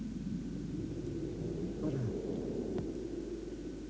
ほら。